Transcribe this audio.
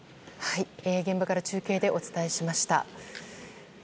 現場から中継でお伝えしました。